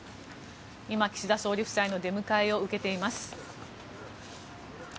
今、岸田総理夫妻の出迎えを受けています。